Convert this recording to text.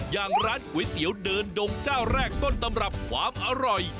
อย่างร้านก๋วยเตี๋ยวเดินดงเจ้าแรกต้นตำรับความอร่อย